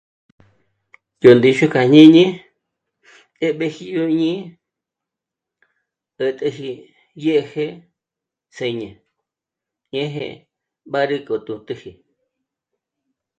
Yó ndíxu kja jñíni 'ë́b'eji yó ñí'i ä̀t'äji dyèje së̀ñe 'éje mbàrü k'ótjo téxi